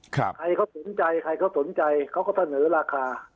ใครเขาสนใจใครเขาสนใจเขาก็เสนอราคา